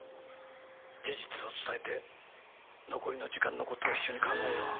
事実を伝えて残りの時間のことを一緒に考えよう